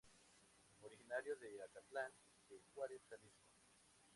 Originario de Acatlán de Juárez, Jalisco